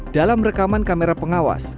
dalam rekaman kamera pengawas